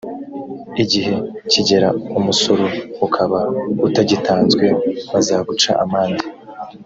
igihe kigera umusoro ukaba utagitanzwe bazaguca amande